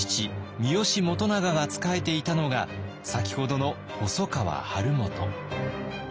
三好元長が仕えていたのが先ほどの細川晴元。